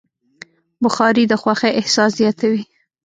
بخاري د خوښۍ احساس زیاتوي.